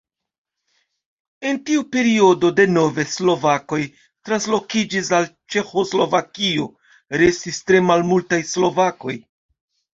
En tiu periodo denove slovakoj translokiĝis al Ĉeĥoslovakio, restis tre malmultaj slovakoj.